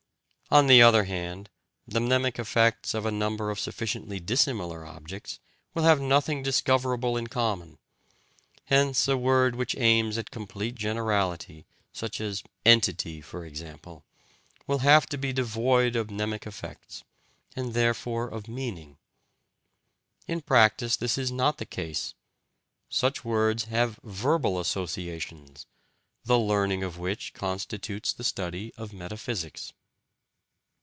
On the other hand, the mnemic effects of a number of sufficiently dissimilar objects will have nothing discoverable in common; hence a word which aims at complete generality, such as "entity" for example, will have to be devoid of mnemic effects, and therefore of meaning. In practice, this is not the case: such words have VERBAL associations, the learning of which constitutes the study of metaphysics.